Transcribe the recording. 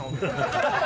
ハハハハ！